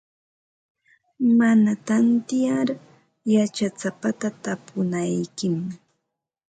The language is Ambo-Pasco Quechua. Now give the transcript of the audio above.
Mana tantiyar yachasapata tapunaykim.